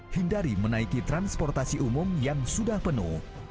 hindari menaiki transportasi umum yang sudah penuh